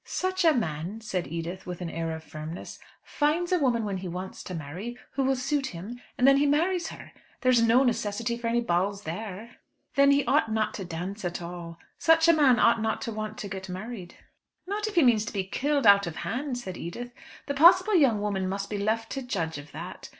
"Such a man," said Edith with an air of firmness, "finds a woman when he wants to marry, who will suit him, and then he marries her. There is no necessity for any balls there." "Then he ought not to dance at all. Such a man ought not to want to get married." "Not if he means to be killed out of hand," said Edith. "The possible young woman must be left to judge of that.